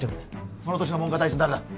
その年の文科大臣誰だ？